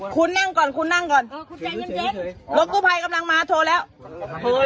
คุณนั่งก่อนคุณนั่งก่อนโทรแล้วโทรแล้วเดี๋ยวมา